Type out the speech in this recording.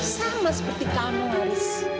sama seperti kamu laris